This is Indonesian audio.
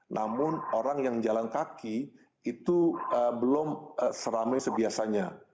namun orang yang jalan kaki itu belum seramai sebiasanya